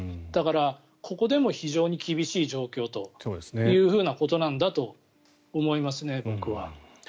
だからここでも非常に厳しい状況ということなんだと思います。